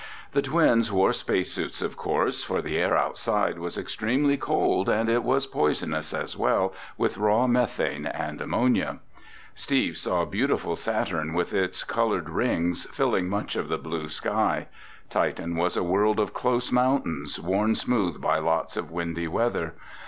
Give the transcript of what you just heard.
The twins wore space suits, of course, for the air outside was extremely cold and it was poisonous as well with raw methane and ammonia. Steve saw beautiful Saturn, with its colored rings, filling much of the blue sky. Titan was a world of close mountains, worn smooth by lots of windy weather.